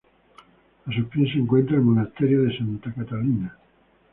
A sus pies se encuentra el Monasterio de Santa Catalina.